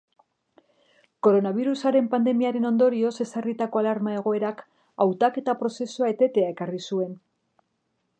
Koronabirusaren pandemiaren ondorioz ezarritako alarma-egoerak hautaketa prozesua etetea ekarri zuen.